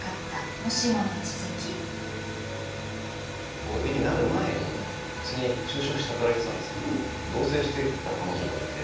僕は芸人になる前に普通に就職して働いてたんですけど同棲してた彼女がいて。